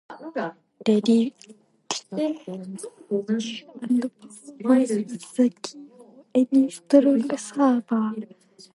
Reliability and performance is the key for any storage server.